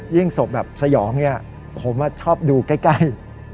ศพแบบสยองเนี่ยผมชอบดูใกล้